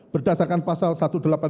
berdasarkan penuntutan yang diwajibkan